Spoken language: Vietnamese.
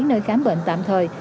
nơi khám bệnh tạm thời